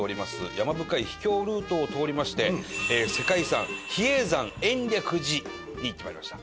山深い秘境ルートを通りまして世界遺産比叡山延暦寺に行って参りました。